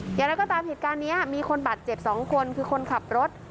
อย่างไรก็ตามเหตุการณ์นี้มีคนบาดเจ็บ๒คนคือคนขับรถ